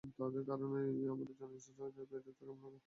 তাদের কারণেই, আমার এখন জানতে ইচ্ছে হয় বেড়ে উঠতে কেমন লাগে।